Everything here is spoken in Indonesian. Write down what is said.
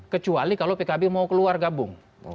kecuali kalau pkb mau keluar gabung